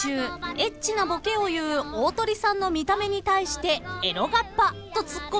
エッチなボケを言う鳳さんの見た目に対して「エロガッパ」とツッコミ